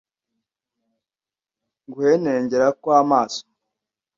guhenengera kw’amaso